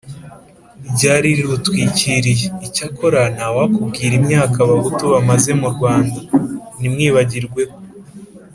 ryari rirutwikiriye. icyakora ntawakubwira imyaka abahutu bamaze mu rwanda:ntimwibagirwe ko